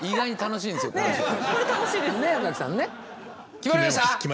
決まりました。